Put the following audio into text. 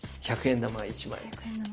１００円玉１枚。